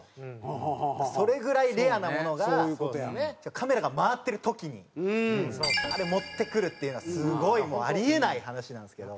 カメラが回ってる時にあれ持ってくるっていうのはすごいあり得ない話なんですけど。